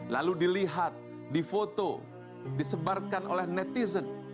lalu dilihat difoto disebarkan oleh netizen